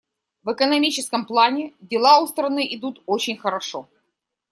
В экономическом плане дела у страны идут очень хорошо.